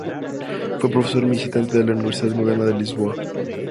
Fue profesor visitante de la Universidad Moderna de Lisboa.